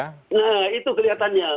nah itu kelihatannya